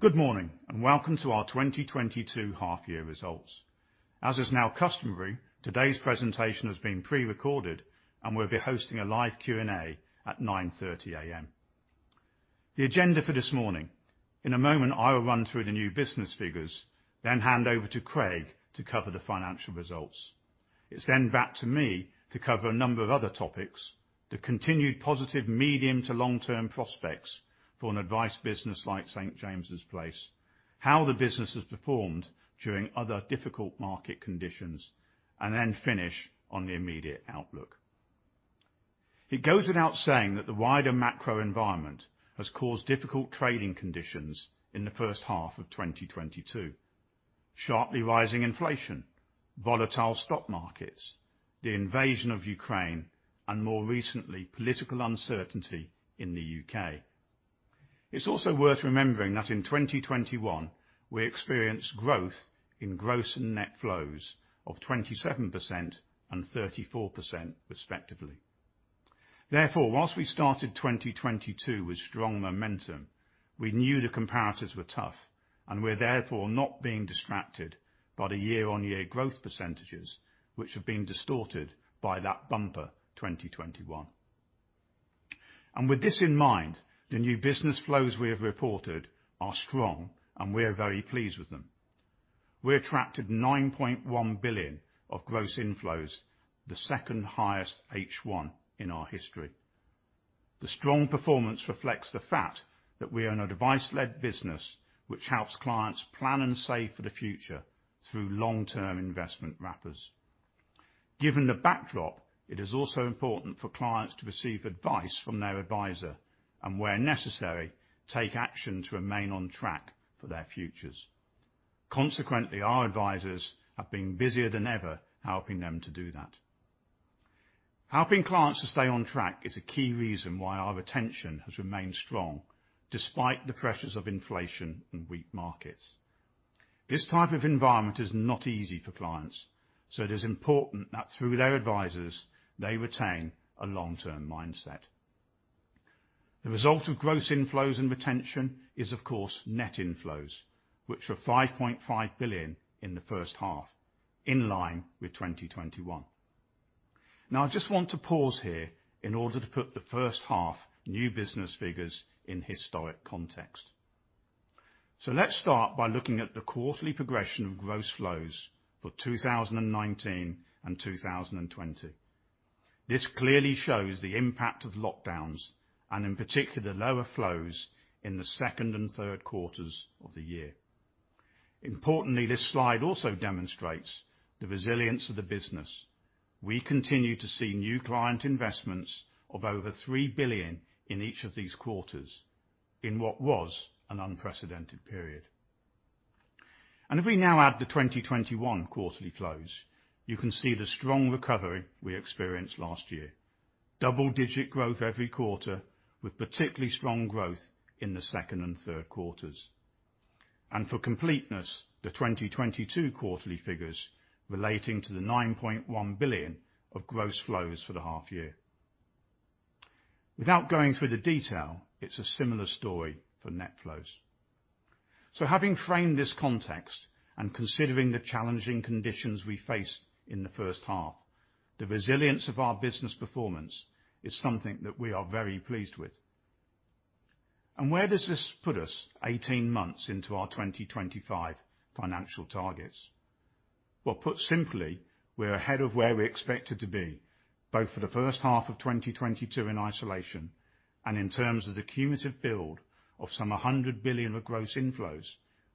Good morning, and welcome to our 2022 half year results. As is now customary, today's presentation is being prerecorded, and we'll be hosting a live Q&A at 9:30 A.M. The agenda for this morning, in a moment I will run through the new business figures, then hand over to Craig to cover the financial results. It's then back to me to cover a number of other topics, the continued positive medium to long-term prospects for an advice business like St. James's Place, how the business has performed during other difficult market conditions, and then finish on the immediate outlook. It goes without saying that the wider macro environment has caused difficult trading conditions in the first half of 2022. Sharply rising inflation, volatile stock markets, the invasion of Ukraine, and more recently, political uncertainty in the U.K. It's also worth remembering that in 2021, we experienced growth in gross and net flows of 27% and 34% respectively. Therefore, whilst we started 2022 with strong momentum, we knew the comparators were tough, and we're therefore not being distracted by the year-on-year growth percentages, which have been distorted by that bumper 2021. With this in mind, the new business flows we have reported are strong, and we're very pleased with them. We attracted 9.1 billion of gross inflows, the second-highest H1 in our history. The strong performance reflects the fact that we are an advice-led business, which helps clients plan and save for the future through long-term investment wrappers. Given the backdrop, it is also important for clients to receive advice from their advisor, and where necessary, take action to remain on track for their futures. Consequently, our advisors have been busier than ever helping them to do that. Helping clients to stay on track is a key reason why our retention has remained strong, despite the pressures of inflation and weak markets. This type of environment is not easy for clients, so it is important that through their advisors, they retain a long-term mindset. The result of gross inflows and retention is of course net inflows, which were 5.5 billion in the first half, in line with 2021. Now I just want to pause here in order to put the first half new business figures in historic context. Let's start by looking at the quarterly progression of gross flows for 2019 and 2020. This clearly shows the impact of lockdowns, and in particular, the lower flows in the second and third quarters of the year. Importantly, this slide also demonstrates the resilience of the business. We continue to see new client investments of over 3 billion in each of these quarters in what was an unprecedented period. If we now add the 2021 quarterly flows, you can see the strong recovery we experienced last year. Double-digit growth every quarter, with particularly strong growth in the second and third quarters. For completeness, the 2022 quarterly figures relating to the 9.1 billion of gross flows for the half year. Without going through the detail, it's a similar story for net flows. Having framed this context, and considering the challenging conditions we faced in the first half, the resilience of our business performance is something that we are very pleased with. Where does this put us 18 months into our 2025 financial targets? Well, put simply, we're ahead of where we expected to be, both for the first half of 2022 in isolation, and in terms of the cumulative build of some 100 billion of gross inflows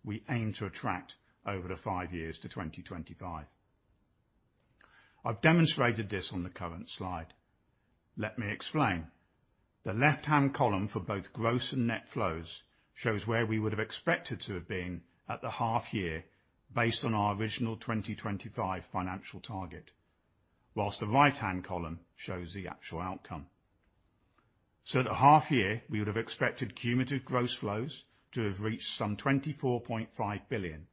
we aim to attract over the five years to 2025. I've demonstrated this on the current slide. Let me explain. The left-hand column for both gross and net flows shows where we would have expected to have been at the half year based on our original 2025 financial target, while the right-hand column shows the actual outcome. At the half year, we would have expected cumulative gross flows to have reached some 24.5 billion.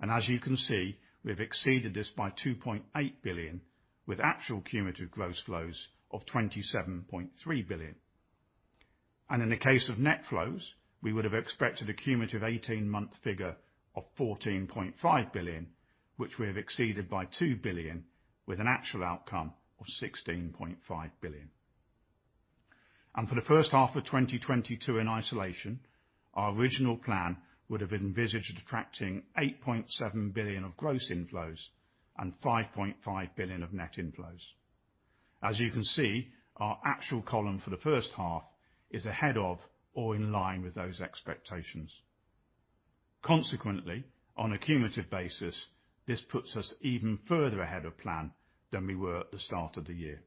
As you can see, we've exceeded this by 2.8 billion, with actual cumulative gross flows of 27.3 billion. In the case of net flows, we would have expected a cumulative 18-month figure of 14.5 billion, which we have exceeded by 2 billion, with an actual outcome of 16.5 billion. For the first half of 2022 in isolation, our original plan would have envisaged attracting 8.7 billion of gross inflows and 5.5 billion of net inflows. As you can see, our actual column for the first half is ahead of or in line with those expectations. Consequently, on a cumulative basis, this puts us even further ahead of plan than we were at the start of the year.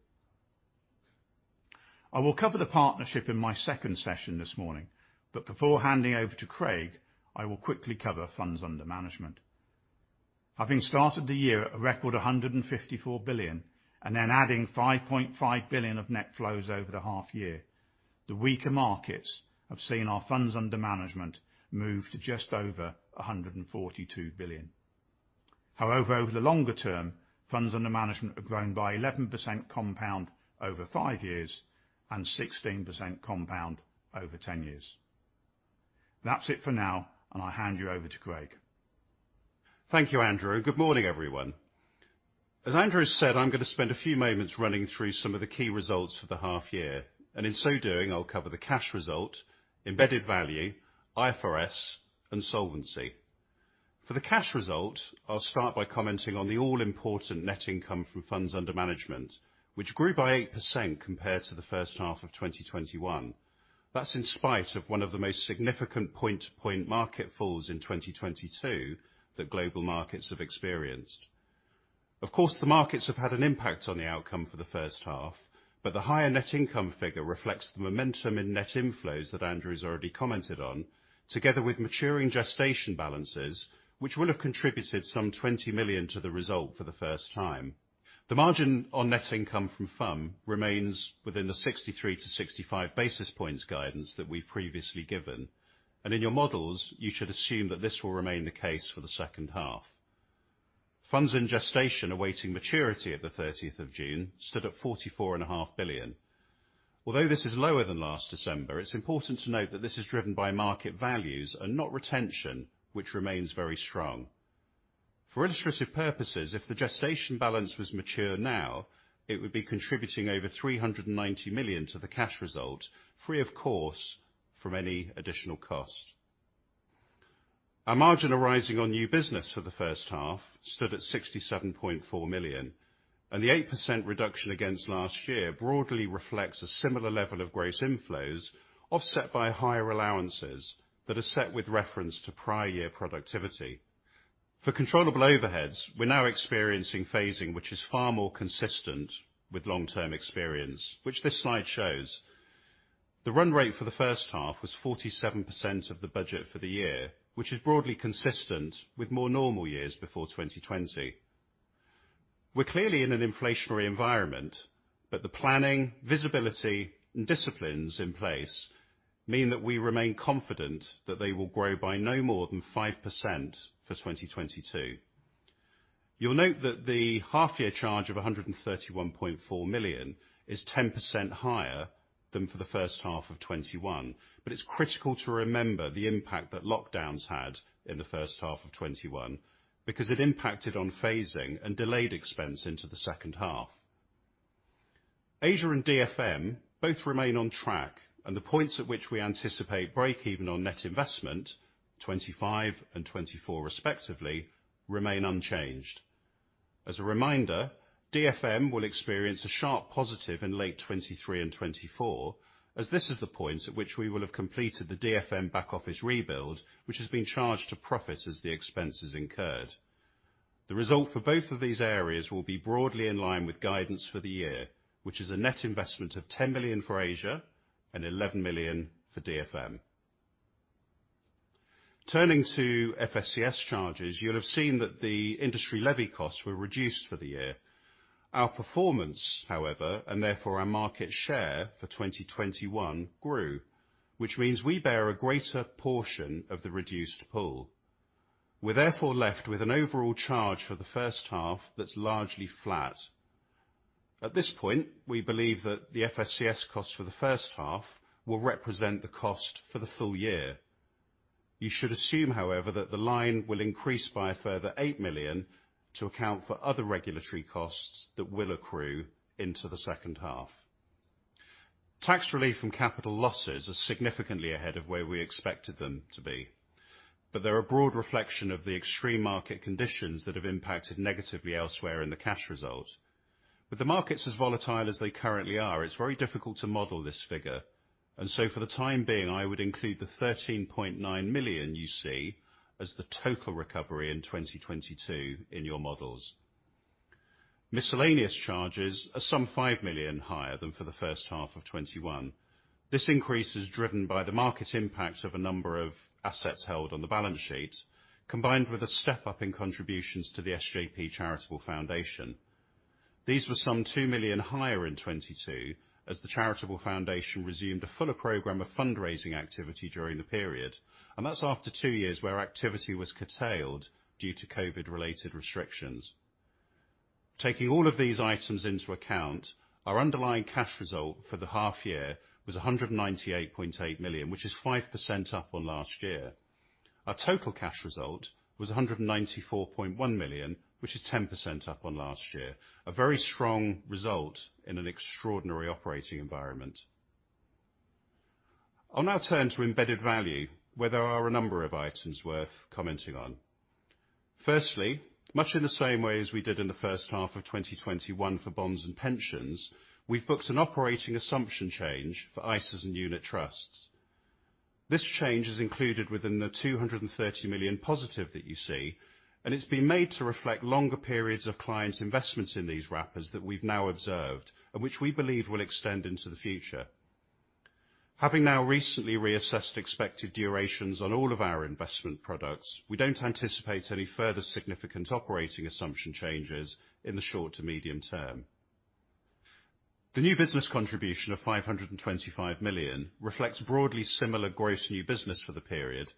I will cover the partnership in my second session this morning. Before handing over to Craig, I will quickly cover funds under management. Having started the year at a record 154 billion and then adding 5.5 billion of net flows over the half year, the weaker markets have seen our funds under management move to just over 142 billion. However, over the longer term, funds under management have grown by 11% compound over five years and 16% compound over 10 years. That's it for now, and I'll hand you over to Craig. Thank you, Andrew. Good morning, everyone. As Andrew said, I'm gonna spend a few moments running through some of the key results for the half year, and in so doing, I'll cover the cash result, embedded value, IFRS, and solvency. For the cash result, I'll start by commenting on the all-important net income from funds under management, which grew by 8% compared to the first half of 2021. That's in spite of one of the most significant point to point market falls in 2022 that global markets have experienced. Of course, the markets have had an impact on the outcome for the first half, but the higher net income figure reflects the momentum in net inflows that Andrew's already commented on, together with maturing gestation balances, which will have contributed some 20 million to the result for the first time. The margin on net income from FUM remains within the 63 to 65 basis points guidance that we've previously given, and in your models, you should assume that this will remain the case for the second half. Funds in gestation awaiting maturity at the June 30th stood at 44.5 billion. Although this is lower than last December, it's important to note that this is driven by market values and not retention, which remains very strong. For illustrative purposes, if the gestation balance was mature now, it would be contributing over 390 million to the cash result, free of course from any additional cost. Our margin arising on new business for the first half stood at 67.4 million, and the 8% reduction against last year broadly reflects a similar level of gross inflows offset by higher allowances that are set with reference to prior year productivity. For controllable overheads, we're now experiencing phasing which is far more consistent with long-term experience, which this slide shows. The run rate for the first half was 47% of the budget for the year, which is broadly consistent with more normal years before 2020. We're clearly in an inflationary environment, but the planning, visibility, and disciplines in place mean that we remain confident that they will grow by no more than 5% for 2022. You'll note that the half year charge of 131.4 million is 10% higher than for the first half of 2021, but it's critical to remember the impact that lockdowns had in the first half of 2021 because it impacted on phasing and delayed expense into the second half. Asia and DFM both remain on track, and the points at which we anticipate break even on net investment, 2025 and 2024 respectively, remain unchanged. As a reminder, DFM will experience a sharp positive in late 2023 and 2024 as this is the point at which we will have completed the DFM back office rebuild, which has been charged to profit as the expense is incurred. The result for both of these areas will be broadly in line with guidance for the year, which is a net investment of 10 million for Asia and 11 million for DFM. Turning to FSCS charges, you'll have seen that the industry levy costs were reduced for the year. Our performance, however, and therefore our market share for 2021 grew, which means we bear a greater portion of the reduced pool. We're therefore left with an overall charge for the first half that's largely flat. At this point, we believe that the FSCS cost for the first half will represent the cost for the full year. You should assume, however, that the line will increase by a further 8 million to account for other regulatory costs that will accrue into the second half. Tax relief from capital losses are significantly ahead of where we expected them to be, but they're a broad reflection of the extreme market conditions that have impacted negatively elsewhere in the cash results. With the markets as volatile as they currently are, it's very difficult to model this figure, and so for the time being, I would include the 13.9 million you see as the total recovery in 2022 in your models. Miscellaneous charges are some 5 million higher than for the first half of 2021. This increase is driven by the market impact of a number of assets held on the balance sheet, combined with a step-up in contributions to the SJP Charitable Foundation. These were some 2 million higher in 2022 as the charitable foundation resumed a fuller program of fundraising activity during the period, and that's after two years where activity was curtailed due to COVID-related restrictions. Taking all of these items into account, our underlying cash result for the half year was 198.8 million, which is 5% up on last year. Our total cash result was 194.1 million, which is 10% up on last year. A very strong result in an extraordinary operating environment. I'll now turn to embedded value, where there are a number of items worth commenting on. First, much in the same way as we did in the first half of 2021 for bonds and pensions, we've booked an operating assumption change for ISAs and Unit trusts. This change is included within the 230 million+ that you see, and it's been made to reflect longer periods of clients' investments in these wrappers that we've now observed, and which we believe will extend into the future. Having now recently reassessed expected durations on all of our investment products, we don't anticipate any further significant operating assumption changes in the short to medium term. The new business contribution of 525 million reflects broadly similar gross new business for the period,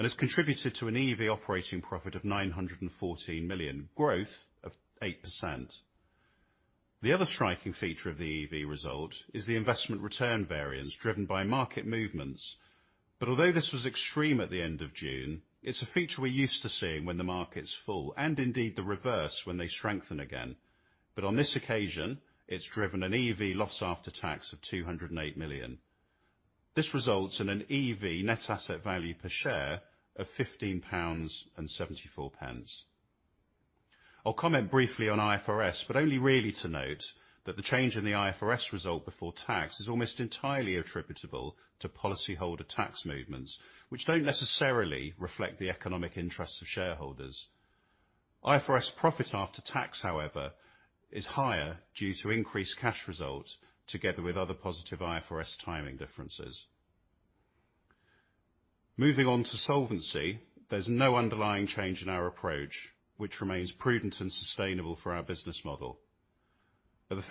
and has contributed to an EV operating profit of 914 million, growth of 8%. The other striking feature of the EV result is the investment return variance driven by market movements. Although this was extreme at the end of June, it's a feature we're used to seeing when the market's full, and indeed the reverse when they strengthen again. On this occasion, it's driven an EV loss after tax of 208 million. This results in an EV net asset value per share of 15.74 pounds. I'll comment briefly on IFRS, but only really to note that the change in the IFRS result before tax is almost entirely attributable to policyholder tax movements, which don't necessarily reflect the economic interests of shareholders. IFRS profit after tax, however, is higher due to increased cash results together with other positive IFRS timing differences. Moving on to solvency, there's no underlying change in our approach, which remains prudent and sustainable for our business model. On the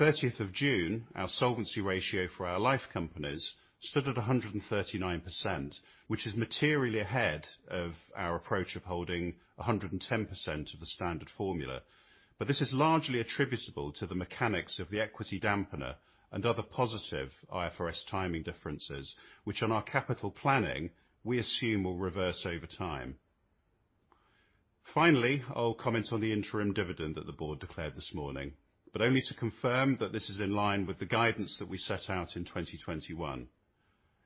June 13th, our solvency ratio for our life companies stood at 139%, which is materially ahead of our approach of holding 110% of the standard formula. This is largely attributable to the mechanics of the equity dampener and other positive IFRS timing differences, which on our capital planning, we assume will reverse over time. Finally, I'll comment on the interim dividend that the board declared this morning, but only to confirm that this is in line with the guidance that we set out in 2021.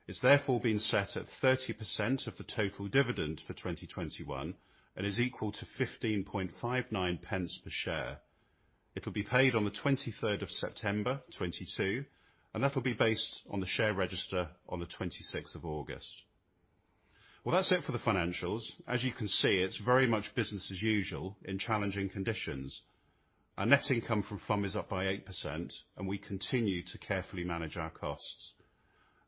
It's therefore been set at 30% of the total dividend for 2021 and is equal to 0.1559 per share. It will be paid on the September 23rd 2022, and that'll be based on the share register on the August 26th. Well, that's it for the financials. As you can see, it's very much business as usual in challenging conditions. Our net income from FUM is up by 8%, and we continue to carefully manage our costs.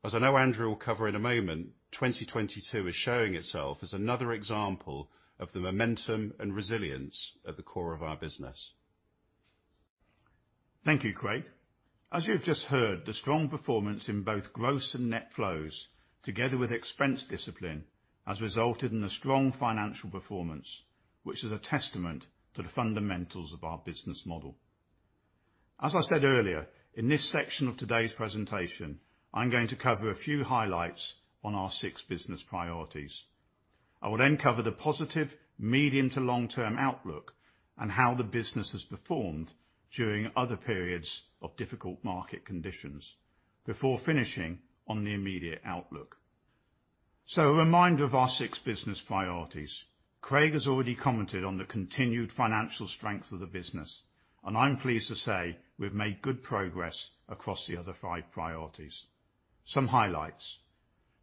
As I know Andrew will cover in a moment, 2022 is showing itself as another example of the momentum and resilience at the core of our business. Thank you, Craig. As you have just heard, the strong performance in both gross and net flows, together with expense discipline, has resulted in a strong financial performance, which is a testament to the fundamentals of our business model. As I said earlier, in this section of today's presentation, I'm going to cover a few highlights on our six business priorities. I will then cover the positive medium to long-term outlook and how the business has performed during other periods of difficult market conditions before finishing on the immediate outlook. A reminder of our six business priorities. Craig has already commented on the continued financial strength of the business, and I'm pleased to say we've made good progress across the other five priorities. Some highlights.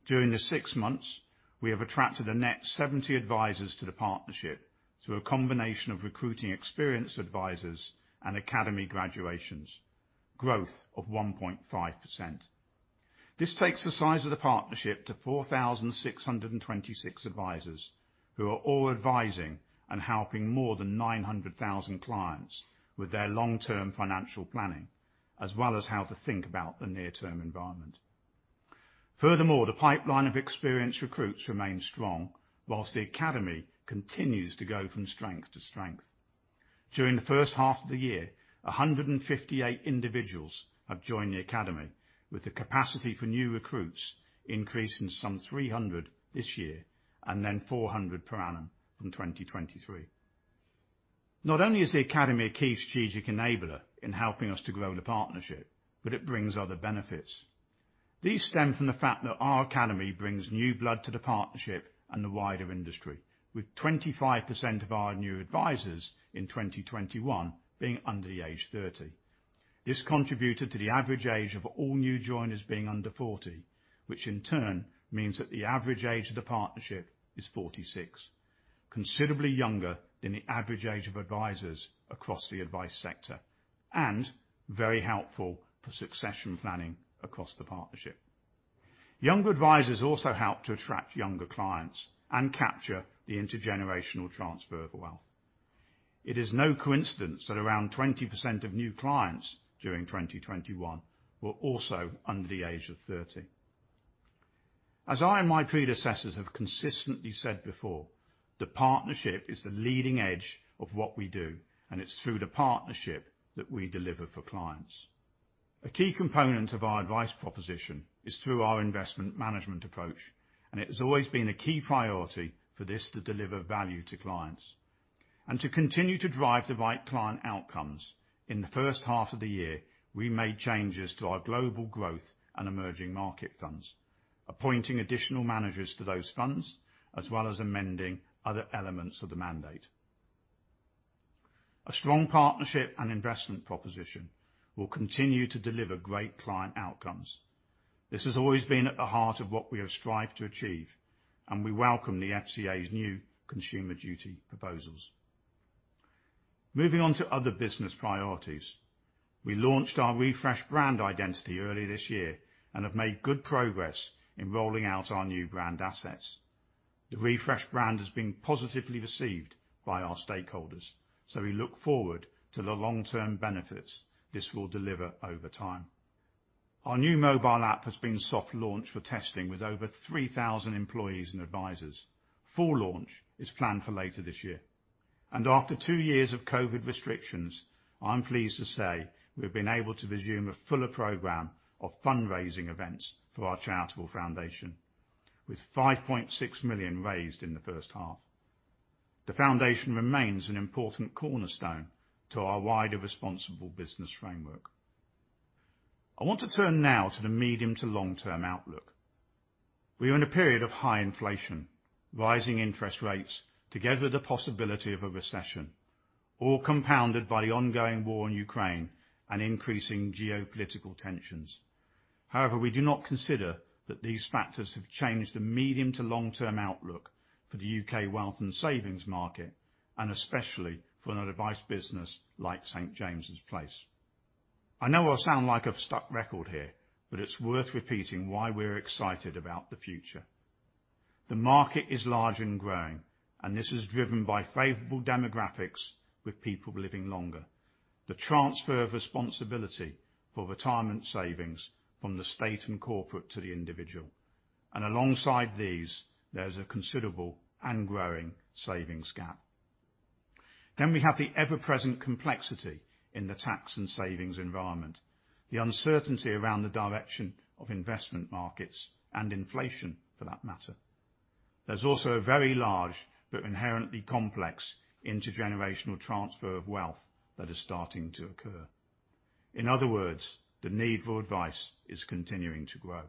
During the six months, we have attracted a net 70 advisors to the partnership through a combination of recruiting experienced advisors and academy graduations. Growth of 1.5%. This takes the size of the partnership to 4,626 advisors who are all advising and helping more than 900,000 clients with their long-term financial planning, as well as how to think about the near-term environment. Furthermore, the pipeline of experienced recruits remains strong, while the academy continues to go from strength to strength. During the first half of the year, 158 individuals have joined the academy, with the capacity for new recruits increasing to some 300 this year and then 400 per annum from 2023. Not only is the academy a key strategic enabler in helping us to grow the partnership, but it brings other benefits. These stem from the fact that our academy brings new blood to the partnership and the wider industry, with 25% of our new advisors in 2021 being under the age of 30. This contributed to the average age of all new joiners being under 40, which in turn means that the average age of the partnership is 46. Considerably younger than the average age of advisors across the advice sector, and very helpful for succession planning across the partnership. Younger advisors also help to attract younger clients and capture the intergenerational transfer of wealth. It is no coincidence that around 20% of new clients during 2021 were also under the age of 30. As I and my predecessors have consistently said before, the partnership is the leading edge of what we do, and it's through the partnership that we deliver for clients. A key component of our advice proposition is through our investment management approach, and it has always been a key priority for this to deliver value to clients. To continue to drive the right client outcomes, in the first half of the year, we made changes to our Global Growth and Emerging Markets funds, appointing additional managers to those funds, as well as amending other elements of the mandate. A strong partnership and investment proposition will continue to deliver great client outcomes. This has always been at the heart of what we have strived to achieve, and we welcome the FCA's new Consumer Duty proposals. Moving on to other business priorities. We launched our refreshed brand identity earlier this year and have made good progress in rolling out our new brand assets. The refreshed brand has been positively received by our stakeholders, so we look forward to the long-term benefits this will deliver over time. Our new mobile app has been soft launched for testing with over 3,000 employees and advisors. Full launch is planned for later this year. After two years of COVID restrictions, I'm pleased to say we've been able to resume a fuller program of fundraising events for our charitable foundation, with 5.6 million raised in the first half. The foundation remains an important cornerstone to our wider responsible business framework. I want to turn now to the medium to long-term outlook. We are in a period of high inflation, rising interest rates, together with the possibility of a recession, all compounded by the ongoing war in Ukraine and increasing geopolitical tensions. However, we do not consider that these factors have changed the medium to long-term outlook for the U.K. wealth and savings market, and especially for an advice business like St. James's Place. I know I sound like a stuck record here, but it's worth repeating why we're excited about the future. The market is large and growing, and this is driven by favorable demographics with people living longer. The transfer of responsibility for retirement savings from the state and corporate to the individual, and alongside these, there's a considerable and growing savings gap. We have the ever-present complexity in the tax and savings environment, the uncertainty around the direction of investment markets and inflation for that matter. There's also a very large but inherently complex intergenerational transfer of wealth that is starting to occur. In other words, the need for advice is continuing to grow.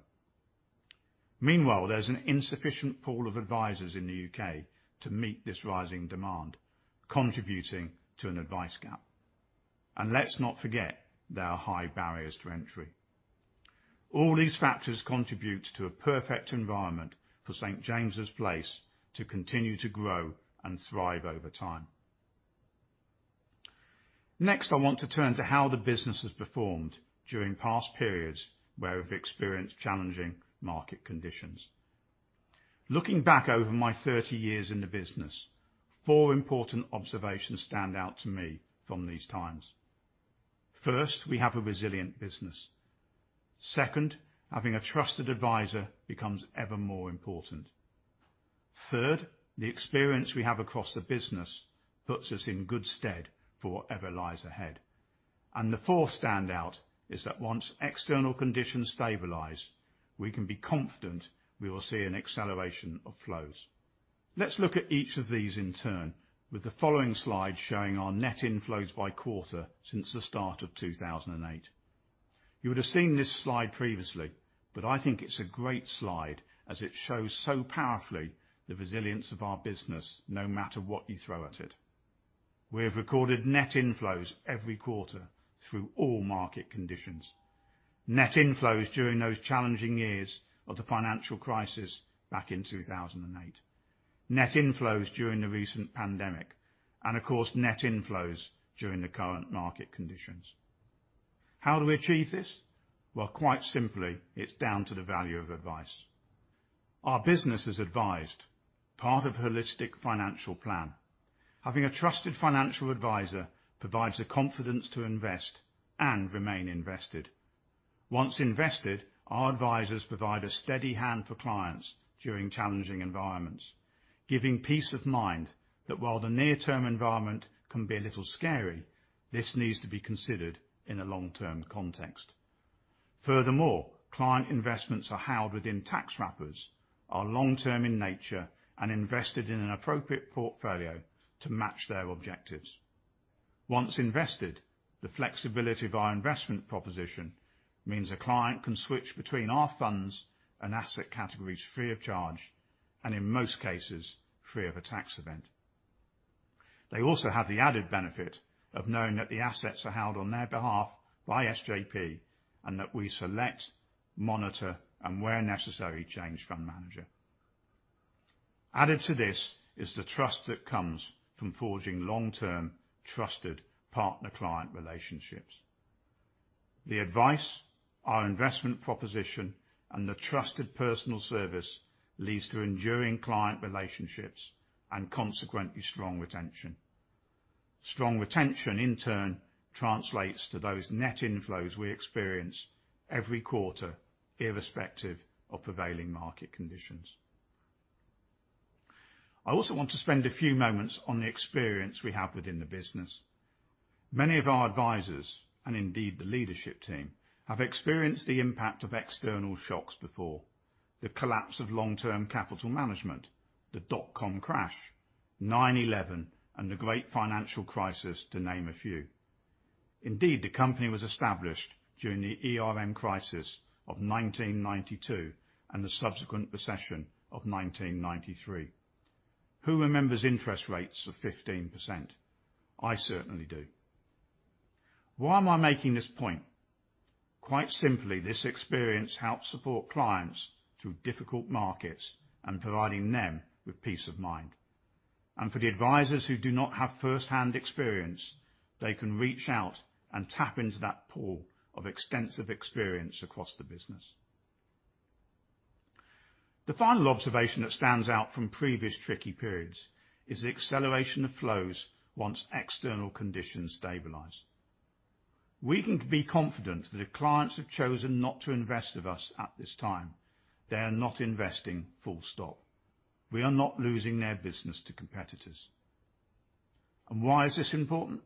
Meanwhile, there's an insufficient pool of advisors in the U.K. to meet this rising demand, contributing to an advice gap. Let's not forget, there are high barriers to entry. All these factors contribute to a perfect environment for St. James's Place to continue to grow and thrive over time. Next, I want to turn to how the business has performed during past periods where we've experienced challenging market conditions. Looking back over my 30 years in the business, four important observations stand out to me from these times. First, we have a resilient business. Second, having a trusted advisor becomes ever more important. Third, the experience we have across the business puts us in good stead for whatever lies ahead. The fourth standout is that once external conditions stabilize, we can be confident we will see an acceleration of flows. Let's look at each of these in turn, with the following slide showing our net inflows by quarter since the start of 2008. You would have seen this slide previously, but I think it's a great slide as it shows so powerfully the resilience of our business, no matter what you throw at it. We have recorded net inflows every quarter through all market conditions. Net inflows during those challenging years of the financial crisis back in 2008. Net inflows during the recent pandemic. Of course, net inflows during the current market conditions. How do we achieve this? Well, quite simply, it's down to the value of advice. Our business is advised, part of a holistic financial plan. Having a trusted financial advisor provides the confidence to invest and remain invested. Once invested, our advisors provide a steady hand for clients during challenging environments, giving peace of mind that while the near-term environment can be a little scary, this needs to be considered in a long-term context. Furthermore, client investments are held within tax wrappers, are long-term in nature, and invested in an appropriate portfolio to match their objectives. Once invested, the flexibility of our investment proposition means a client can switch between our funds and asset categories free of charge, and in most cases, free of a tax event. They also have the added benefit of knowing that the assets are held on their behalf by SJP, and that we select, monitor, and where necessary, change fund manager. Added to this is the trust that comes from forging long-term, trusted partner-client relationships. The advice, our investment proposition, and the trusted personal service leads to enduring client relationships, and consequently, strong retention. Strong retention, in turn, translates to those net inflows we experience every quarter, irrespective of prevailing market conditions. I also want to spend a few moments on the experience we have within the business. Many of our advisors, and indeed the leadership team, have experienced the impact of external shocks before. The collapse of Long-Term Capital Management, the dot-com crash, 9/11, and the great financial crisis to name a few. Indeed, the company was established during the ERM crisis of 1992 and the subsequent recession of 1993. Who remembers interest rates of 15%? I certainly do. Why am I making this point? Quite simply, this experience helps support clients through difficult markets and providing them with peace of mind. For the advisers who do not have first-hand experience, they can reach out and tap into that pool of extensive experience across the business. The final observation that stands out from previous tricky periods is the acceleration of flows once external conditions stabilize. We can be confident that if clients have chosen not to invest with us at this time, they are not investing full stop. We are not losing their business to competitors. Why is this important?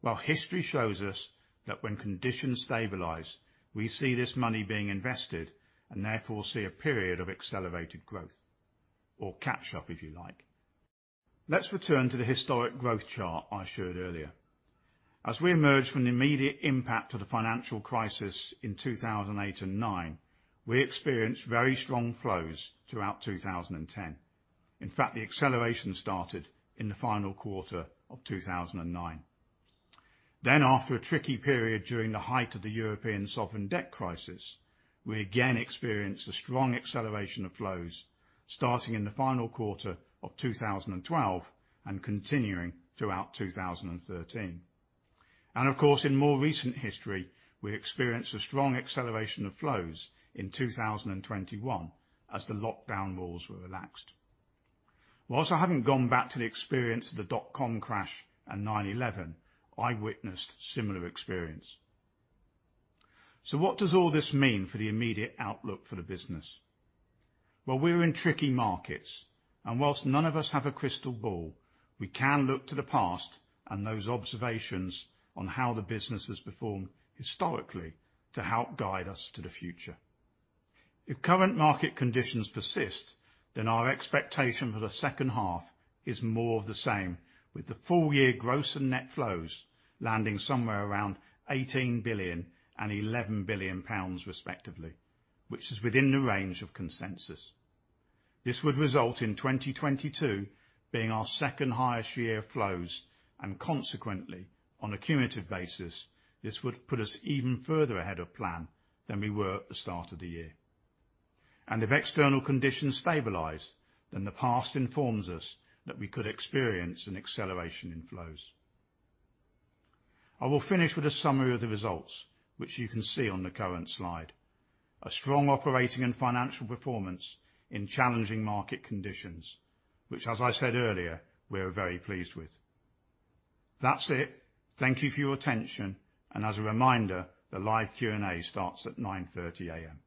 Well, history shows us that when conditions stabilize, we see this money being invested and therefore, see a period of accelerated growth, or catch-up, if you like. Let's return to the historic growth chart I showed earlier. As we emerge from the immediate impact of the financial crisis in 2008 and 2009, we experienced very strong flows throughout 2010. In fact, the acceleration started in the final quarter of 2009. After a tricky period during the height of the European Sovereign Debt crisis, we again experienced a strong acceleration of flows starting in the final quarter of 2012 and continuing throughout 2013. Of course, in more recent history, we experienced a strong acceleration of flows in 2021 as the lockdown rules were relaxed. Whilst I haven't gone back to the experience of the dot-com crash and 9/11, I witnessed similar experience. What does all this mean for the immediate outlook for the business? Well, we're in tricky markets, and while none of us have a crystal ball, we can look to the past and those observations on how the business has performed historically to help guide us to the future. If current market conditions persist, then our expectation for the second half is more of the same, with the full year gross and net flows landing somewhere around 18 billion and 11 billion pounds respectively, which is within the range of consensus. This would result in 2022 being our second-highest year of flows, and consequently, on a cumulative basis, this would put us even further ahead of plan than we were at the start of the year. If external conditions stabilize, then the past informs us that we could experience an acceleration in flows. I will finish with a summary of the results, which you can see on the current slide. A strong operating and financial performance in challenging market conditions, which, as I said earlier, we're very pleased with. That's it. Thank you for your attention, and as a reminder, the live Q&A starts at 9:30 A.M.